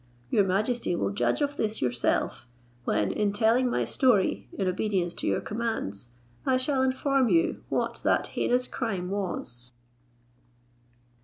Your majesty will judge of this yourself, when, in telling my story, in obedience to your commands I shall inform you what that heinous crime was."